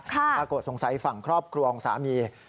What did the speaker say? ปรากฏสงสัยฝั่งครอบครัวของสามี